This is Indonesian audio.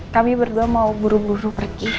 kami berdua mau buru buru pergi